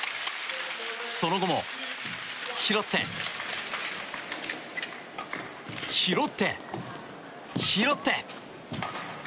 その後も拾って、拾って、拾って。